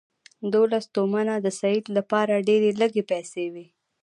دوولس تومنه د سید لپاره ډېرې لږې پیسې وې.